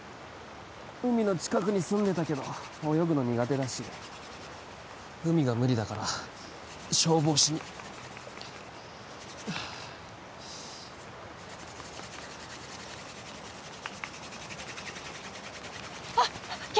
海の近くに住んでたけど泳ぐの苦手だし海が無理だから消防士にあっ煙！